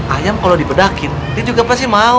ayam kalo dibedakin dia juga pasti mau